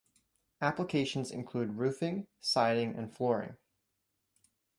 Applications include roofing, siding and flooring.